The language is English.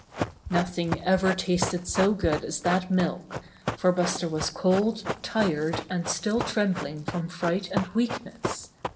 Nothing ever tasted so good as that milk, for Buster was cold, tired and still trembling from fright and weakness.